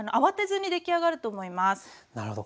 なるほど。